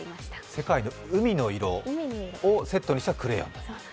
世界の海の色をセットにしたクレヨン。